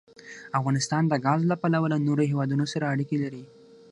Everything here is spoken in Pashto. افغانستان د ګاز له پلوه له نورو هېوادونو سره اړیکې لري.